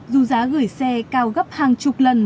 đã gửi xe cao gấp hàng chục lần